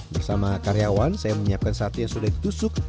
bersama karyawan saya menyiapkan sate yang sudah ditusuk